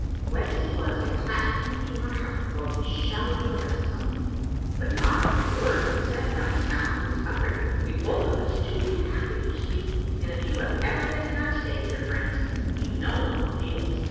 Wet as he was, I clasped him to my heart while he showered caresses on me. But not a Avord was said, not a sound was uttered. We were both of us too happy to speak, and if you have ever been in that state, dear friends, you know how it feels.